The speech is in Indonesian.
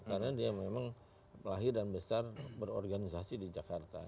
karena dia memang lahir dan besar berorganisasi di jakarta